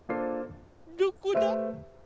どこだ？